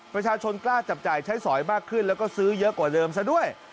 ประชาชนกล้าจับจ่ายใช้สอยมากขึ้นแล้วก็ซื้อเยอะกว่าเดิมซะด้วย